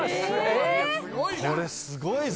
これ、すごいぞ！